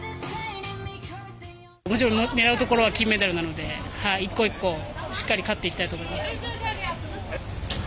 もちろん狙うところは金メダルなので一個一個しっかり勝っていきたいと思います。